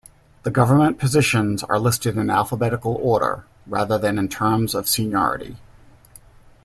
The government positions are listed in alphabetical order, rather than in terms of seniority.